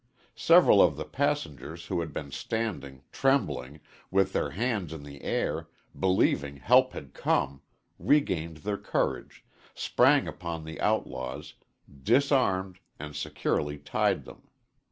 Several of the passengers who had been standing, trembling, with their hands in the air, believing help had come, regained their courage, sprang upon the outlaws, disarmed and securely tied them.